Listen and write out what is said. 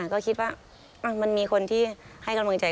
ก็คิดว่ามันมีคนที่ให้กำลังใจ